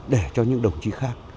để cho những đồng chí khác